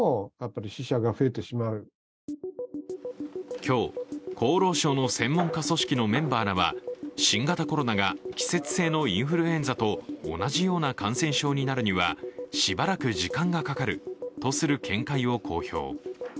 今日、厚労省の専門家組織のメンバーらは新型コロナが季節性のインフルエンザと同じような感染症になるにはしばらく時間がかかるとする見解を公表。